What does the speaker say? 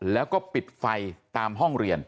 แล้วก็ปิดไฟตามห้องเรียน